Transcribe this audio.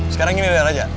sekarang gini leda raja